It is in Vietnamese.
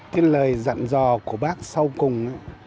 tiếng lời dặn dò của bác sau cùng